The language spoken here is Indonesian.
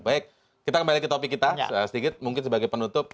baik kita kembali ke topik kita sedikit mungkin sebagai penutup